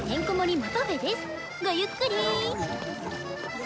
ごゆっくり。